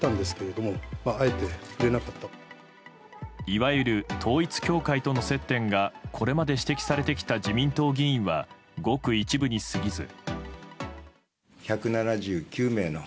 いわゆる統一教会との接点がこれまで指摘されてきた自民党議員はごく一部に過ぎず。